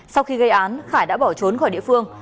sau khi gây án khải đã bỏ trốn khỏi địa phương